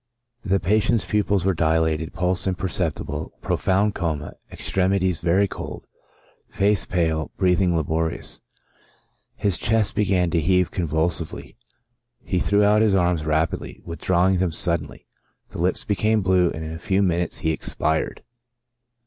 The patient's pupils were dilated, pulse imperceptible, profound coma, extremities very cold, face pale, breathing laborious. His chest began to heave con vulsively ; he threw out his arms rapidly, withdrawing them as suddenly ; the lips became blue, and in a few min utes he expired.